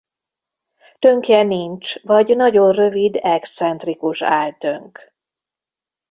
Tönkje nincs vagy nagyon rövid excentrikus áltönk.